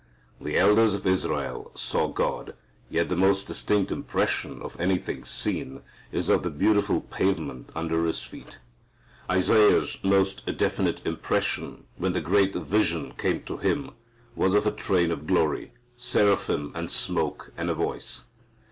The elders of Israel "saw God," yet the most distinct impression of anything seen is of the beautiful pavement under His feet. Isaiah's most definite impression, when the great vision came to him, was of a train of glory, seraphim and smoke and a voice.